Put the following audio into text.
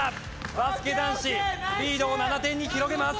バスケ男子リードを７点に広げます。